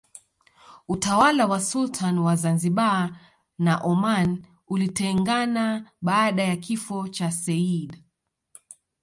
Utawala wa Sultan wa Zanzibar na Oman ulitengana baada ya kifo cha Seyyid